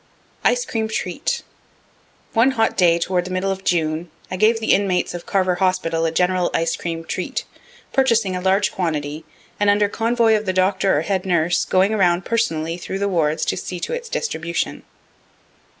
Ice Cream Treat. One hot day toward the middle of June, I gave the inmates of Carver hospital a general ice cream treat, purchasing a large quantity, and, under convoy of the doctor or head nurse, going around personally through the wards to see to its distribution.